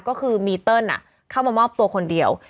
ก็คือมีเติ้ลเข้ามามอบตัวคนเดียว